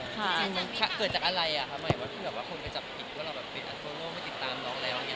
มันเกิดจากอะไรอ่ะค่ะเหมือนว่าคนไปจับผิดว่าเราเปลี่ยนอันโทรโม่ไม่ติดตามน้องแล้วอย่างนี้